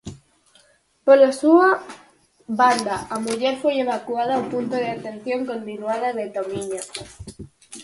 Pola súa banda a muller foi evacuada ao Punto de Atención Continuada de Tomiño.